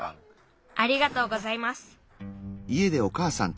ありがとうございます。